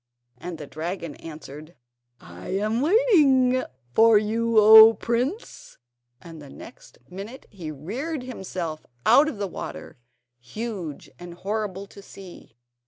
And the dragon answered: "I am waiting for you, O prince"; and the next minute he reared himself out of the water, huge and horrible to see.